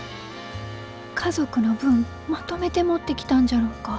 家族の分まとめて持ってきたんじゃろうか。